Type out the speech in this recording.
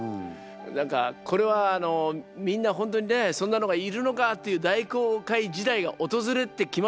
何かこれはあのみんな本当にねそんなのがいるのかっていう大航海時代が訪れてきますよね。